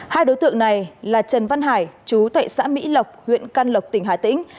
hai đối tượng này là trần văn hải chú tại xã mỹ lộc huyện can lộc tỉnh hà tĩnh